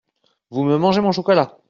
Vous me mangez mon chocolat !